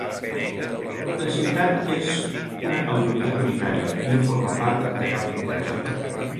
La ciutat és una autoritat unitària i no forma part de cap regió.